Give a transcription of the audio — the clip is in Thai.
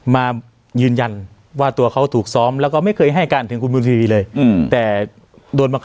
มายืนยันว่าตัวเค้าถูกซ้อมและก็ไม่เคยให้การที่คุณบุญทวีเลย